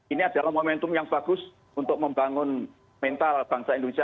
ini adalah momentum yang bagus untuk membangun mental bangsa indonesia